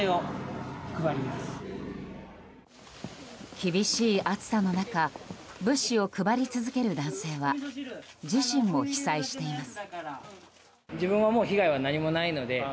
厳しい暑さの中物資を配り続ける男性は自身も被災しています。